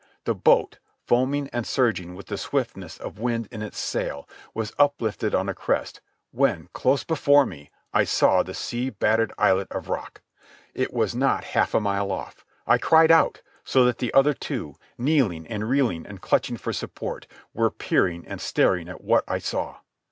The boat, foaming and surging with the swiftness of wind in its sail, was uplifted on a crest, when, close before me, I saw the sea battered islet of rock. It was not half a mile off. I cried out, so that the other two, kneeling and reeling and clutching for support, were peering and staring at what I saw.